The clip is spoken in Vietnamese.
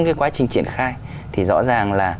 cái quá trình triển khai thì rõ ràng là